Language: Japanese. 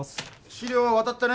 資料は渡ったな